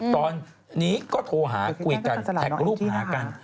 ตอนนี้ก็โทรหาคุยกันแท็กรูปหากัน